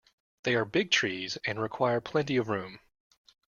They are big trees and require plenty of room.